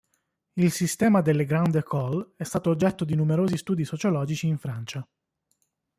Il sistema delle "grandes écoles" è stato oggetto di numerosi studi sociologici in Francia.